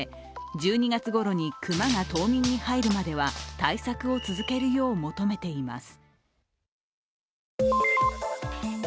１２月ごろに熊が冬眠に入るまでは対策を続けるよう求めています。